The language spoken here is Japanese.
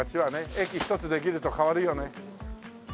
駅１つできると変わるよね。